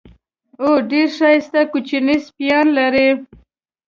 او ډېر ښایسته کوچني سپیان لري.